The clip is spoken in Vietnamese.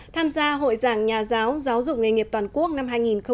tham gia hội giảng nhà giáo giáo dục nghề nghiệp toàn quốc năm hai nghìn một mươi bảy